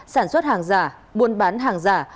sản xuất hàng giả buôn bán hàng giả